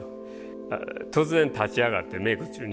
突然立ち上がってメイク中に。